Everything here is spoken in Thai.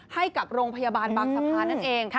ให้กับโรงพยาบาลบางสะพานนั่นเอง